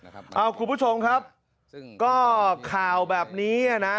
คุณผู้ชมครับก็ข่าวแบบนี้นะ